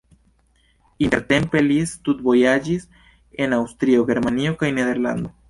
Intertempe li studvojaĝis en Aŭstrio, Germanio kaj Nederlando.